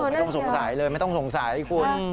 ไม่ต้องสงสัยเลยไม่ต้องสงสัยคุณ